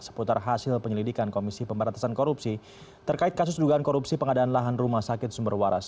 seputar hasil penyelidikan komisi pemberantasan korupsi terkait kasus dugaan korupsi pengadaan lahan rumah sakit sumber waras